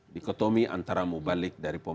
dikotomi antara mubalik dari pom